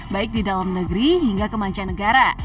baik di dalam negeri hingga ke mancanegara